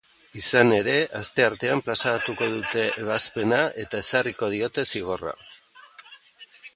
Izan ere, asteartean plazaratuko dute ebazpena eta ezarriko diote zigorra.